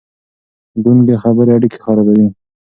ګونګې خبرې اړيکې خرابوي.